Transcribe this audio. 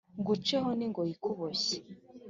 nguceho n’ingoyi ikuboshye.